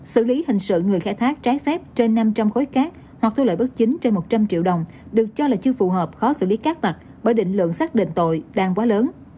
xử lý hình sự người khai thác trái phép trên năm trăm linh khối cát hoặc thu lợi bất chính trên một trăm linh triệu đồng được cho là chưa phù hợp khó xử lý các mặt bởi định lượng xác định tội đang quá lớn